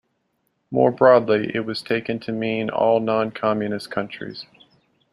More broadly, it was taken to mean all non-communist countries.